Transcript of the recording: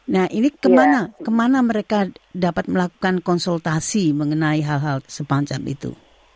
nah ini kemana mereka dapat melakukan konsultasi mengenai hal hal semacam itu